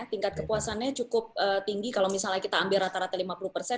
tingkat kepuasannya cukup tinggi kalau misalnya kita ambil rata rata lima puluh persen